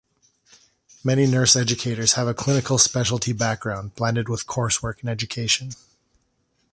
Many nurse educators have a clinical specialty background blended with coursework in education.